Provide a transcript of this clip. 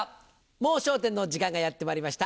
『もう笑点』の時間がやってまいりました。